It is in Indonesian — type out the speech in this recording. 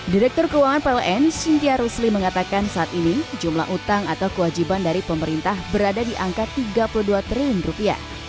direktur keuangan pln sintia rusli mengatakan saat ini jumlah utang atau kewajiban dari pemerintah berada di angka tiga puluh dua triliun rupiah